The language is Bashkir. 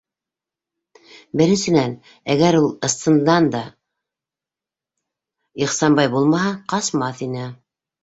Беренсенән, әгәр ул ысындан да Ихсанбай булмаһа, ҡасмаҫ ине.